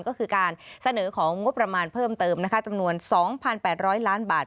ก็คือการเสนอของงบประมาณเพิ่มเติมนะคะจำนวน๒๘๐๐ล้านบาท